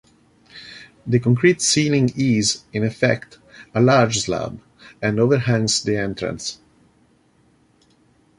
The concrete ceiling is, in effect, a large slab, and overhangs the entrance.